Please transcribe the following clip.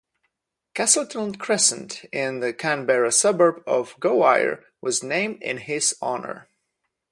Castleton Crescent in the Canberra suburb of Gowrie was named in his honour.